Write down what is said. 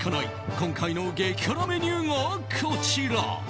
今回の激辛メニューがこちら。